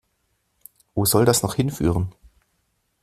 Wo soll das noch hinführen?